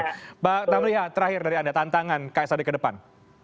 mbak tamliha terakhir dari anda tantangan ksad ke depan